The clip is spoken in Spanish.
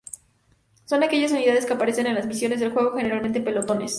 Son aquellas unidades que aparecen en las misiones del juego, generalmente en pelotones.